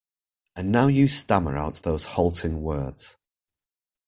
And now you stammer out those halting words.